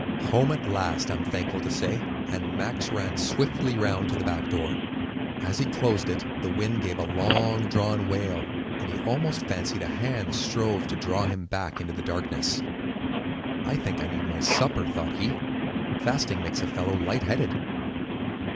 "Home at last, I am thankful to say;" and Max ran swiftly round to the back door. As he closed it, the wind gave a long drawn wail, and he almost fancied a hand strove to draw him back into the darkness. "I think I need my supper," thought he. "Fasting makes a fellow light headed."